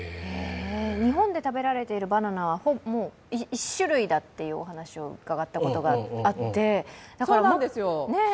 日本で食べられているバナナは１種類だというお話を伺ったことがありますあって。